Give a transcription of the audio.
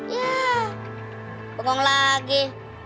yah bengong lagi